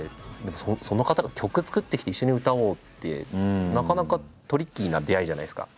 その方が曲作ってきて一緒に歌おうってなかなかトリッキーな出会いじゃないですか。